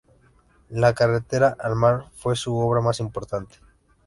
La Carretera al Mar fue su obra más importante.